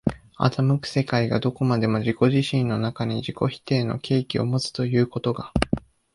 斯く世界がどこまでも自己自身の中に自己否定の契機をもつということが、